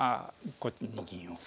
こっちに銀を。